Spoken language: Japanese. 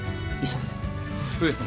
上様！